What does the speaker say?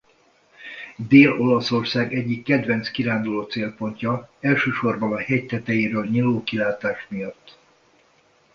Dél-Olaszország egyik kedvenc kiránduló-célpontja elsősorban a hegy tetejéről nyíló kilátás miatt.